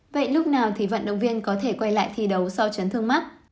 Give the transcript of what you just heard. vậy lúc nào thì vận động viên có thể quay lại thi đấu sau chấn thương mắt